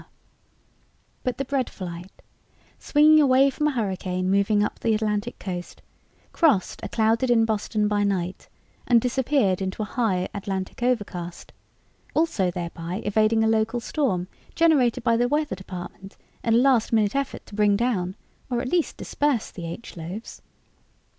But the bread flight, swinging away from a hurricane moving up the Atlantic coast, crossed a clouded in Boston by night and disappeared into a high Atlantic overcast, also thereby evading a local storm generated by the Weather Department in a last minute effort to bring down or at least disperse the H loaves.